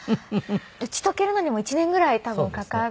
打ち解けるのにも１年ぐらい多分かかった。